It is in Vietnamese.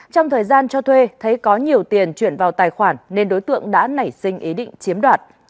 trong thời gian cho thuê thấy có nhiều tiền chuyển vào tài khoản nên đối tượng đã nảy sinh ý định chiếm đoạt